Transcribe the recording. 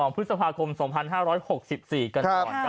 พฤษภาคม๒๕๖๔กันก่อน